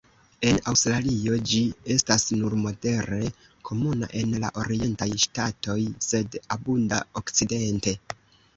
En Aŭstralio ĝi estas nur modere komuna en la orientaj ŝtatoj, sed abunda okcidente.